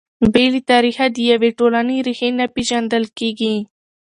بې له تاریخه د یوې ټولنې ريښې نه پېژندل کیږي.